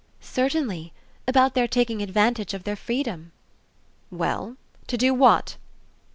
"Certainly; about their taking advantage of their freedom." "Well, to do what?"